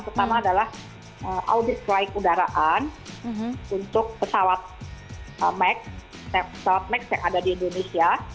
pertama adalah audit keraik udaraan untuk pesawat max yang ada di indonesia